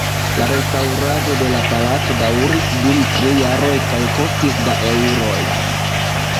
La restaŭrado de la palaco daŭris dum tri jaroj kaj kostis da eŭroj.